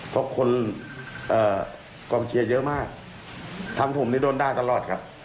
เพราะคนกองเชียร์เยอะมากทั้งผมนี่โดนได้ตลอดครับ